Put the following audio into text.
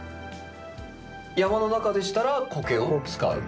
山の中でしたらコケを使う。